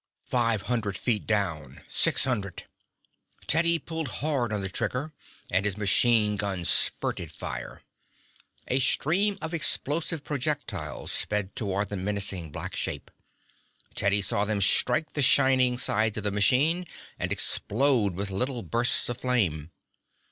Five hundred feet down, six hundred Teddy pulled hard on the trigger, and his machine gun spurted fire. A stream of explosive projectiles sped toward the menacing black shape. Teddy saw them strike the shining sides of the machine and explode with little bursts of flame.